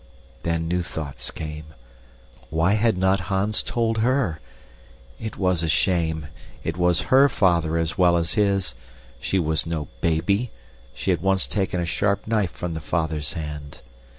Then new thoughts came. Why had not Hans told her? It was a shame. It was HER father as well as his. She was no baby. She had once taken a sharp knife from the father's hand.